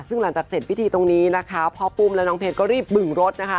ซึ่งหลังจากเสร็จพิธีตรงนี้นะคะพ่อปุ้มและน้องเพชรก็รีบบึงรถนะคะ